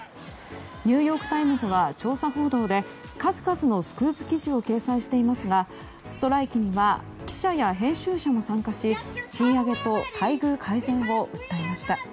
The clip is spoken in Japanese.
ニューヨーク・タイムズは調査報道で数々のスクープ記事を掲載していますが記者や編集者も参加し賃上げと待遇改善を訴えました。